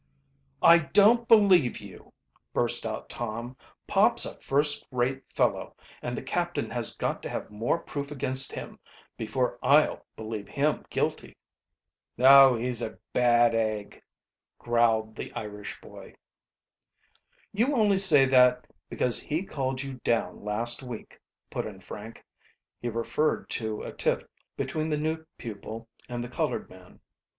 "I don't believe you!" burst out Tom. "Pop's a first rate fellow, and the captain has got to have more proof against him before I'll believe him guilty." "Oh, he's a bad egg!" growled the Irish boy. "You only say that because he called you down last week," put in Frank. He referred to a tilt between the new pupil and the colored man.